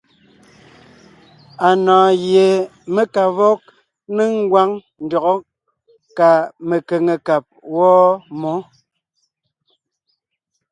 Anɔ̀ɔn gie mé ka vɔg ńnéŋ ngwáŋ ndÿɔgɔ́ kà mekʉ̀ŋekab wɔ́ɔ mǒ.